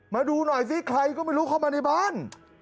มาดูหน่อยซิใครก็ไม่รู้เข้ามาในบ้าน